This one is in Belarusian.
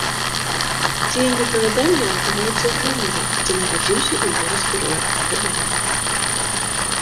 Дзеянне апавядання адбываецца ў турме, дзе нарадзіўся і вырас герой-апавядальнік.